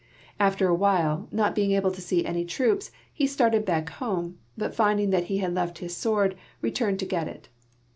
After awhile, not being able to see any troops, he started back home, but finding that he had left his sword returned to get it.